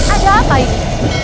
ada apa ini